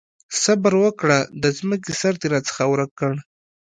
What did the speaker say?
صبره وکړه! د ځمکې سر دې راڅخه ورک کړ.